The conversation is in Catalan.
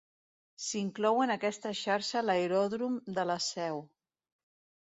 S'inclou en aquesta xarxa l'aeròdrom de la Seu.